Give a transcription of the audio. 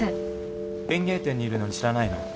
園芸店にいるのに知らないの？